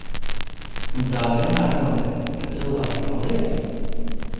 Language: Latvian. Un tā vienmēr notiek, ka cilvēki paliek?